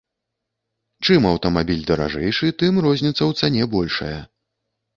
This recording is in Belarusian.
Чым аўтамабіль даражэйшы, тым розніца ў цане большая.